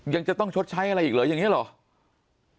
ยังจะต้องชดใช้อะไรอีกเหรออย่างนี้เหรอ